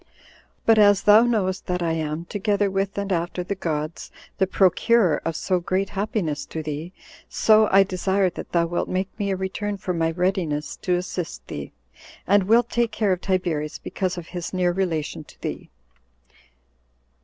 But as thou knowest that I am, together with and after the gods, the procurer of so great happiness to thee; so I desire that thou wilt make me a return for my readiness to assist thee, and wilt take care of Tiberius because of his near relation to thee.